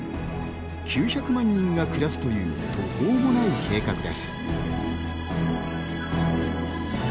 ９００万人が暮らすという途方もない計画です。